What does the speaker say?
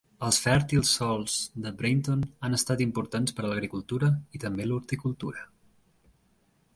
Els fèrtils sòls de Breinton han estat importants per a l'agricultura i també l'horticultura.